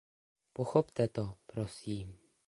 Pochopte to, prosím.